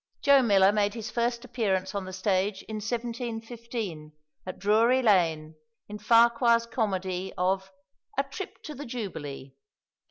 Joe Miller made his first appearance on the stage in 1715, at Drury Lane, in Farquhar's comedy of "A trip to the Jubilee."